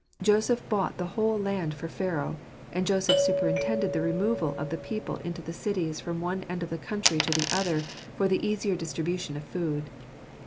Joseph bought the whole land for Pharaoh; and Joseph superintended the removal of the people into the cities from one end of the country to the other for the easier distribution of food.